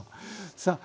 さあ